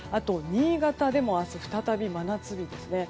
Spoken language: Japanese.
新潟でも明日再び真夏日ですね。